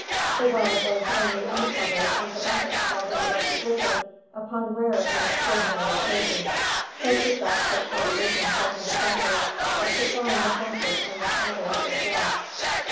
The well was only uncovered and the bucket called into requisition, upon rare and extraordinary occasions, such as that which had arisen from the necessity of supplying the horses and cattle of their guests.